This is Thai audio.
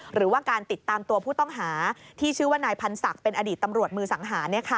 หรือว่าการติดตามตัวผู้ต้องหาที่ชื่อว่านายพันศักดิ์เป็นอดีตตำรวจมือสังหาร